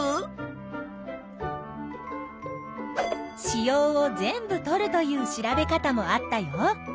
子葉を全部とるという調べ方もあったよ。